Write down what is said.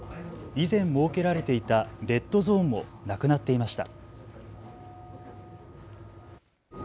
以前、設けられていたレッドゾーンもなくなっていました。